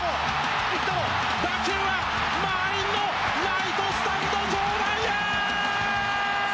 打球は満員のライトスタンド上段へ！